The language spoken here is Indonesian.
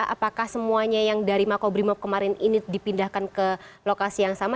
apakah semuanya yang dari makobrimob kemarin ini dipindahkan ke lokasi yang sama